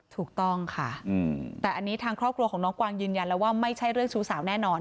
ถูกต้องค่ะแต่อันนี้ทางครอบครัวของน้องกวางยืนยันแล้วว่าไม่ใช่เรื่องชู้สาวแน่นอน